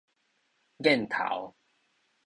癮頭